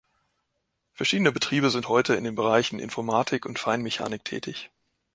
Verschiedene Betriebe sind heute in den Bereichen Informatik und Feinmechanik tätig.